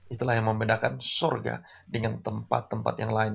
itulah yang membedakan sorga dengan tempat tempat yang lain